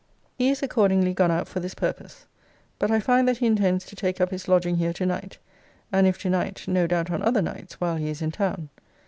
He is accordingly gone out for this purpose. But I find that he intends to take up his lodging here tonight; and if to night, no doubt on other nights, while he is in town.